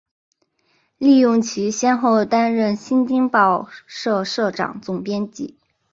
利用其先后担任新京报社社长、总编辑